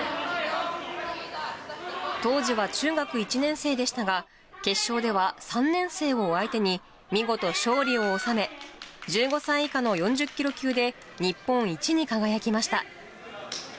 当時は中学１年生でしたが、決勝では３年生を相手に見事勝利を収め、１５歳以下の４０キロ級で、日本一に輝きました。